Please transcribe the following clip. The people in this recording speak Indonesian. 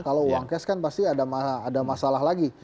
kalau uang cash kan pasti ada masalah lagi